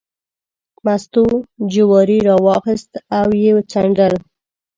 مستو جواری راواخیست او یې څنډل.